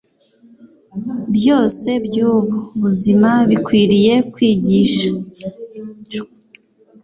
byose by’ubu buzima bikwiriye kwigishwa